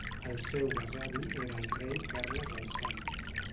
El seu besavi era el rei Carles el Savi.